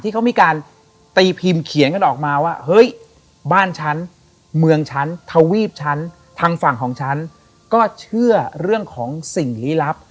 เขามีการตีพิมพ์เขียนกันออกมาว่าเฮ้ยบ้านฉันเมืองฉันทวีปฉันทางฝั่งของฉันก็เชื่อเรื่องของสิ่งลี้ลับ